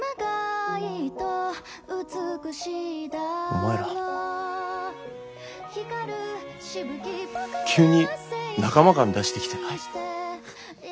お前ら急に仲間感出してきてない？